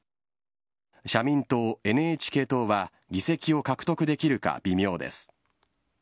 社民党、ＮＨＫ党は議席を獲得できるか微妙です。